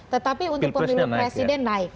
tetapi untuk pemilu presiden naik